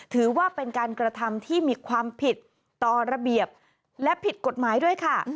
ถือว่าเป็นการกระทำที่มีความผิดต่อระเบียบและผิดกฎหมายด้วยค่ะ